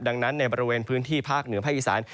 ดังนั้นในบริเวณพื้นที่ภาคเหนือภาคอีสาน